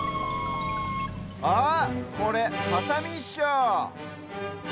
あっこれハサミっしょ！